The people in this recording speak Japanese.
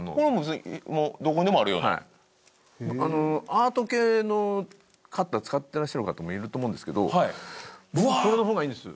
アート系のカッター使ってらっしゃる方もいると思うんですけどこれの方がいいんです。